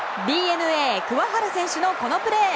ＤｅＮＡ、桑原選手のこのプレー。